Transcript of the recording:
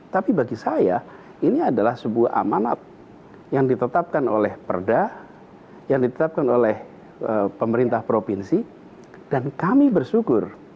tapi bagi saya ini adalah sebuah amanat yang ditetapkan oleh perda yang ditetapkan oleh pemerintah provinsi dan kami bersyukur